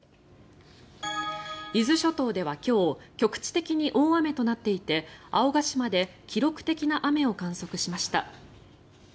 伊豆諸島では今日局地的に大雨となっていて青ヶ島で記録的な雨を観測しました。